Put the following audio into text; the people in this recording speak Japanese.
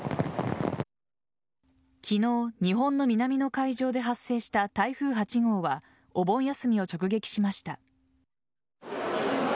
昨日、日本の南の海上で発生した台風８号はお盆休みを直撃しました。